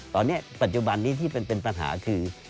ตอนนี้ปัจจุบันนี้ที่เป็นปัญหาคือ